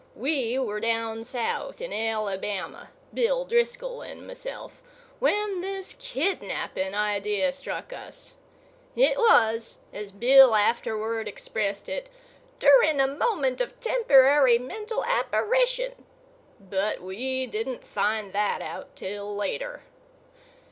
We were down South, in Alabama—Bill Driscoll and myself—when this kidnapping idea struck us. It was, as Bill afterward expressed it, "during a moment of temporary mental apparition"; but we didn't find that out till later.